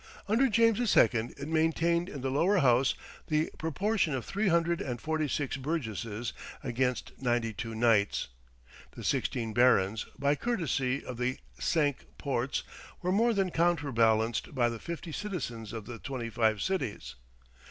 Under James II. it maintained in the Lower House the proportion of three hundred and forty six burgesses against ninety two knights. The sixteen barons, by courtesy, of the Cinque Ports were more than counterbalanced by the fifty citizens of the twenty five cities.